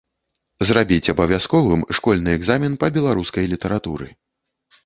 Зрабіць абавязковым школьны экзамен па беларускай літаратуры.